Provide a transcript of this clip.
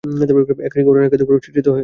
একই ঘটনা একাধিকরূপে চিত্রিত হয়েছে।